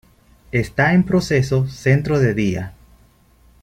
Está en proceso centro de día.